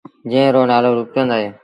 جݩهݩ رو نآلو روپچند اهي۔